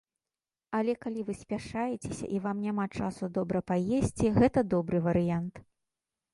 Але, калі вы спяшаецеся і вам няма часу добра паесці, гэта добры варыянт.